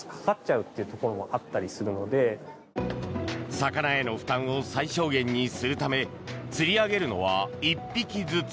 魚への負担を最小限にするため釣り上げるのは１匹ずつ。